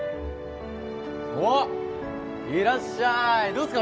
おっいらっしゃいどうすか？